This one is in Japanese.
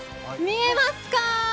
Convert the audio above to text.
見えますか？